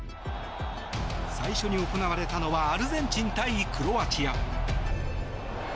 最初に行われたのはアルゼンチン対クロアチア。